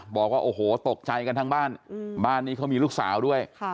บอกว่าโอ้โหตกใจกันทั้งบ้านบ้านนี้เขามีลูกสาวด้วย